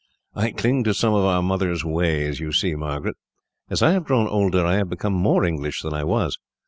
"I cling to some of our mother's ways, you see, Margaret. As I have grown older, I have become more English than I was.